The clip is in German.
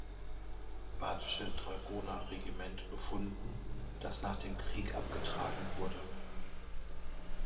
Badische Dragoner-Regiment befunden, das nach dem Krieg abgetragen wurde.